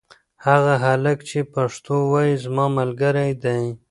هغه هلک چې پښتو وايي زما ملګری دی.